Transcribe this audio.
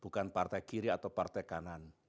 bukan partai kiri atau partai kanan